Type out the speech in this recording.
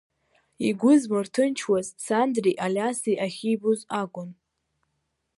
Игәы змырҭынчуаз Сандреи Алиаси ахьимбоз акәын.